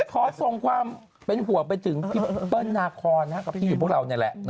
ขอส่งความเป็นห่วงไปถึงพี่เปิ้ลนาคอนกับพี่อยู่พวกเรานี่แหละ